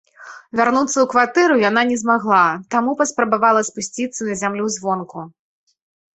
Вярнуцца ў кватэру яна не змагла, таму паспрабавала спусціцца на зямлю звонку.